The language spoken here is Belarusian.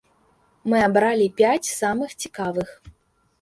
Мы абралі пяць самых цікавых.